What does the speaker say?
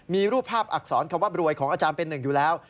มีรูปภาพอักษรคำว่ารวยของอาจารย์เป็นหนึ่งอยู่แล้ว